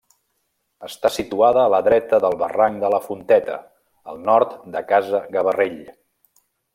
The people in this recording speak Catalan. Està situada a la dreta del barranc de la Fonteta, al nord de Casa Gavarrell.